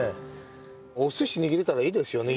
お寿司握れたらいいですよね？